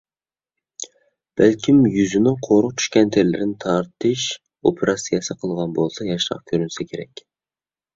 بەلكىم يۈزىنىڭ قورۇق چۈشكەن تېرىلىرىنى تارتىش ئوپېراتسىيەسى قىلغان بولسا ياشراق كۆرۈنسە كېرەك.